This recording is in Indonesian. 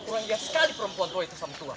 kurang lihat sekali perempuan itu sama tuan